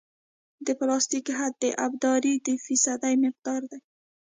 د پلاستیک حد د ابدارۍ د فیصدي مقدار دی